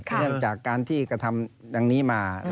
เนื่องจากการที่กระทำดังนี้มา